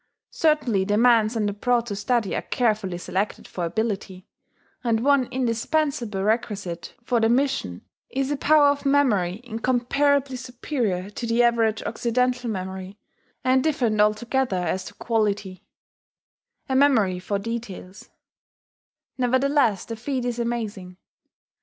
Certainly the men sent abroad to study are carefully selected for ability; and one indispensable requisite for the mission is a power of memory incomparably superior to the average Occidental memory, and different altogether as to quality, a memory for details; nevertheless, the feat is amazing.